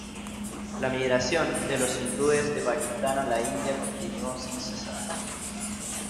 La migración de los hindúes de Pakistán a la India continuó sin cesar.